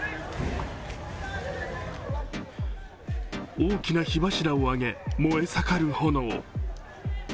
大きな火柱を上げ、燃え盛る炎。